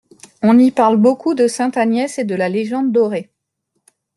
On y parle beaucoup de sainte Agnès et de la légende dorée.